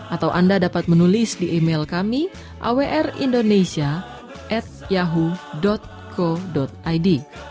atau anda dapat menulis di email kami awrindonesia yahoo co id